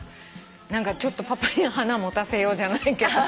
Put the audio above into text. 何かちょっとパパに花持たせようじゃないけど。